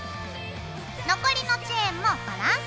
残りのチェーンもバランスよく貼って。